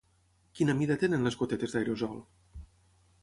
Quina mida tenen les gotetes d'aerosol?